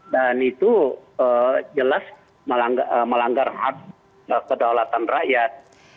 dan itu jelas melanggar hak kedaulatan rakyat